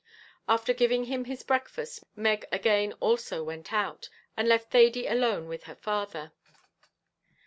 After giving him his breakfast Meg again also went out, and left Thady alone with her father.